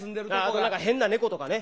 あと何か変な猫とかね。